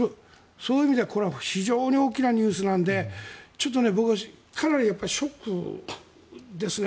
そういう意味ではこれは非常に大きなニュースなのでちょっと僕はかなりショックですね。